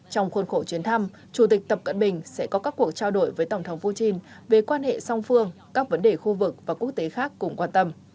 trong khuôn khổ chuyến thăm chủ tịch tập cận bình sẽ có các cuộc trao đổi với tổng thống putin về quan hệ song phương các vấn đề khu vực và quốc tế khác cùng quan tâm